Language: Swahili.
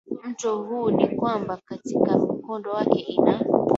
mto huu ni kwamba katika mkondo wake ina